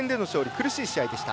苦しい試合でした。